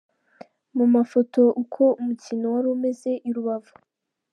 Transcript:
Mu mafoto: uko umukino wari umeze i Rubavu .